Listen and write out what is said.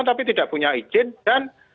tapi tidak punya izin dan